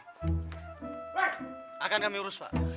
pak akan kami urus pak